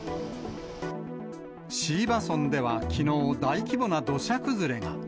椎葉村ではきのう、大規模な土砂崩れが。